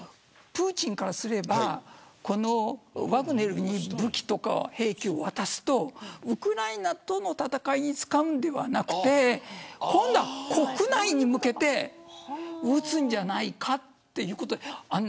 プーチンからしたらワグネルに武器や兵器を渡すとウクライナとの戦いに使うのではなく今度は国内に向けて打つんじゃないかということで。